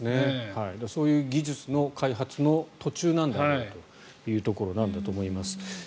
そういう技術の開発の途中なんだろうというところだと思います。